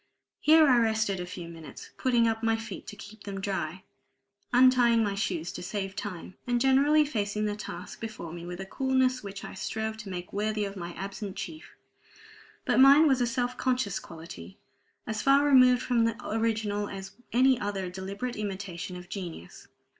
Here I rested a few minutes, putting up my feet to keep them dry, untying my shoes to save time, and generally facing the task before me with a coolness which I strove to make worthy of my absent chief. But mine was a self conscious quality, as far removed from the original as any other deliberate imitation of genius.